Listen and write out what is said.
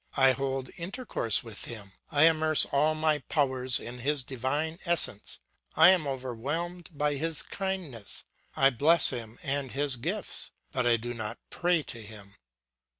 I hold intercourse with him; I immerse all my powers in his divine essence; I am overwhelmed by his kindness, I bless him and his gifts, but I do not pray to him.